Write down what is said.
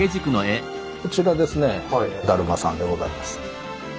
こちらですね達磨さんでございます。